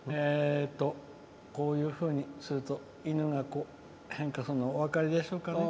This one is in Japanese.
こういうふうにすると犬が変化するのがお分かりでしょうかね。